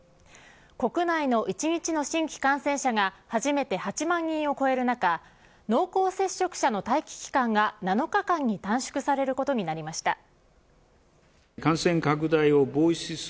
国内の１日の新規感染者が初めて８万人を超える中濃厚接触者の待機期間が７日間に短縮されることになりました。